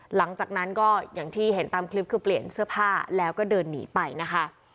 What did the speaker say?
หลังจากนั้นก็อย่างที่เห็นตามคลิปคือเปลี่ยนเสื้อผ้าแล้วก็เดินหนีไปนะคะ